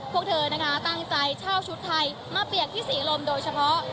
พวกเธอนะคะตั้งใจเช่าชุดไทยมาเปียกที่ศรีลมโดยเฉพาะ